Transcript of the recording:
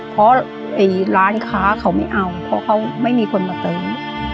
เพราะร้านค้าเขาไม่เอาเพราะเขาไม่มีคนมาเติม